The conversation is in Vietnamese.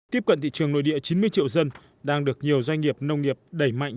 tiếp cận thị trường nội địa chín mươi triệu dân đang được nhiều doanh nghiệp nông nghiệp đẩy mạnh